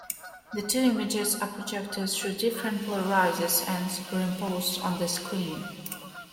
The two images are projected through different polarizers and superimposed on the screen.